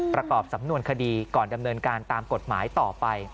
ประกอบสำนวนคดีก่อนดำเนินการตามกฎหมายต่อไป